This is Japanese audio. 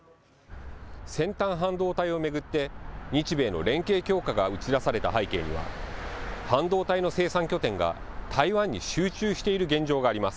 先端半導体を巡って、日米の連携強化が打ち出された背景には、半導体の生産拠点が台湾に集中している現状があります。